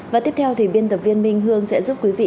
và tiếp theo thì biên tập viên minh hương sẽ giúp quý vị